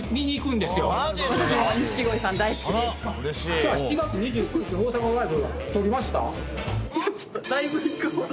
じゃあ７月２９日大阪のライブ取りました？